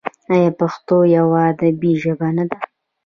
آیا پښتو یوه ادبي ژبه نه ده؟